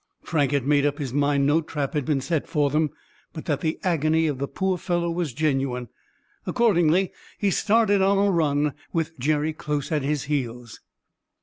Frank had made up his mind no trap had been set for them, but that the agony of the poor fellow was genuine. Accordingly, he started on a run, with Jerry close at his heels.